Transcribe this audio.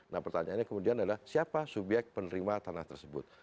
nah pertanyaannya kemudian adalah siapa subyek penerima tanah tersebut